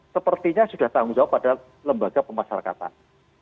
sepertinya sudah tanggung jawab pada lembaga pemasarakatan